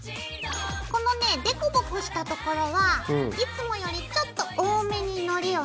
このねぇ凸凹したところはいつもよりちょっと多めにのりを塗ろう。